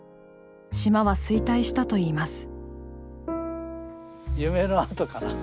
島は衰退したといいます。